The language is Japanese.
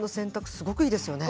すごくいいですよね。